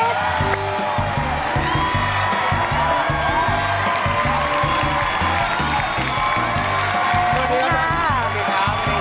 สวัสดีค่ะ